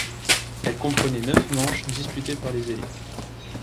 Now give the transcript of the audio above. Elle comprenait neuf manches disputées par les élites.